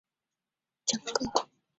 选区名称的顺天是指整个顺天邨。